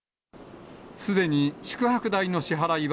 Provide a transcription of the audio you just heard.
すでに宿泊代の支払いは、